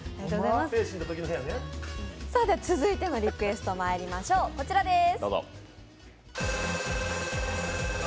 続いてのリクエストまいりましょう、こちらです。